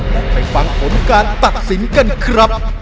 ไปฟังฝนการตักสินกันครับ